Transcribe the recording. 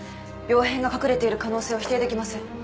病変が隠れている可能性を否定できません。